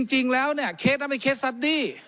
จริงแล้วเนี่ยเคสนั้นเป็นเคสซัดดี้